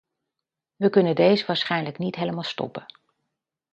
We kunnen deze waarschijnlijk niet helemaal stoppen.